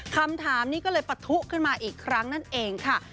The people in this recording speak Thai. คำถามนี้ก็เลยปะทุขึ้นมาอีกครั้งนั่นเองค่ะ